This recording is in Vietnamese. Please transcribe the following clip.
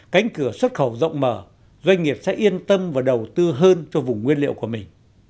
cánh cửa xuất khẩu rộng mở doanh nghiệp sẽ yên tâm và đầu tư hơn cho vùng nguyên liệu của mình